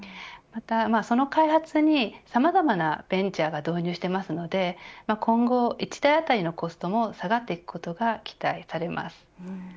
また、その開発にさまざまなベンチャーが導入しているので今後１台あたりのコストも下がっていくことが期待されます。